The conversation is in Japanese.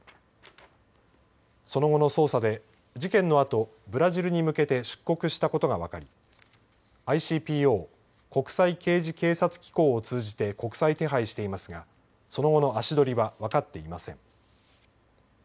その後の捜査で事件のあとブラジルに向けて出国したことが分かりＩＣＰＯ＝国際刑事警察機構を通じて国際手配していますがその後の足取りは分かっていません。